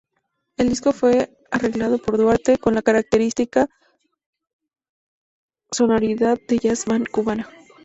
El disco fue arreglado por Duarte, con la característica sonoridad de "jazz band" cubana.